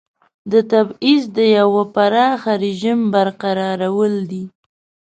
د تبعیض د یوه پراخ رژیم برقرارول دي.